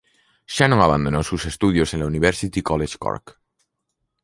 Shannon abandonó sus estudios en la University College Cork.